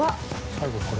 最後これ。